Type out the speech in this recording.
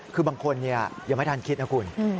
คือบางคนยังไม่ทันคิดนะคุณ